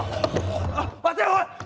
あっ待ておい！